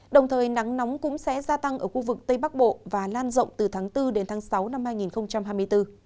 đồng thời nắng nóng cũng sẽ gia tăng ở khu vực tây bắc bộ và lan rộng từ tháng bốn đến tháng sáu năm hai nghìn hai mươi bốn